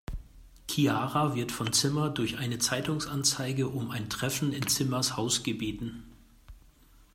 Chiara wird von Zimmer durch eine Zeitungsanzeige um ein Treffen in Zimmers Haus gebeten.